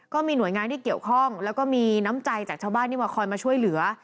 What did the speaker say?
ก็มีหน่วยงานที่เกี่ยวข้องแล้วก็มีน้ำใจจากชาวบ้านที่มาคอยมาช่วยเหลือ